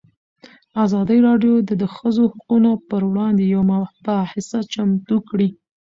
ازادي راډیو د د ښځو حقونه پر وړاندې یوه مباحثه چمتو کړې.